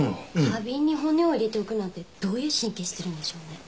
花瓶に骨を入れておくなんてどういう神経してるんでしょうね。